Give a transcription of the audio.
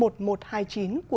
của thủ tướng